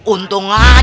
untung aja gua dilindungi